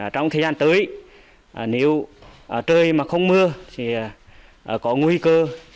trong thời gian tới nếu trời mà không mưa thì có nguy cơ